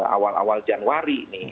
awal awal januari nih